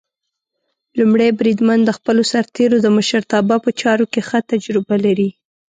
لومړی بریدمن د خپلو سرتېرو د مشرتابه په چارو کې ښه تجربه لري.